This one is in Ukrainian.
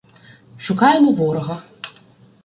Шукаємо ворога.